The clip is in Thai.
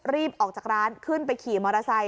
รีบออกจากร้านขึ้นไปขี่มอเตอร์ไซค